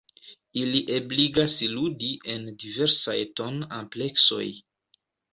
Ili ebligas ludi en diversaj ton-ampleksoj.